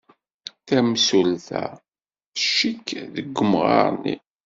Tamsulta tcikk deg umɣar-nni.